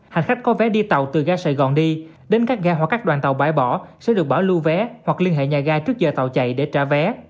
hành khách có vé đi tàu từ ga sài gòn đi đến các ga hoặc các đoàn tàu bãi bỏ sẽ được bảo lưu vé hoặc liên hệ nhà ga trước giờ tàu chạy để trả vé